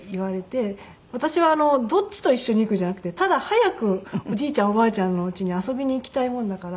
私はどっちと一緒に行くじゃなくてただ早くおじいちゃんおばあちゃんのお家に遊びに行きたいもんだから。